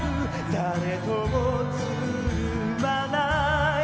「誰ともつるまない」